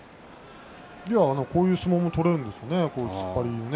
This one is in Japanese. こういう相撲も取れるんですよね。